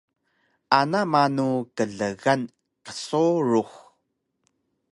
Ana manu klgan qsurux